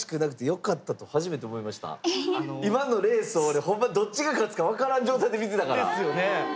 俺ホンマどっちが勝つか分からん状態で見てたから！ですよね？